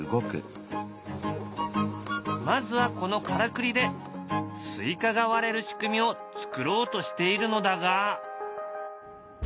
まずはこのからくりでスイカが割れる仕組みを作ろうとしているのだが。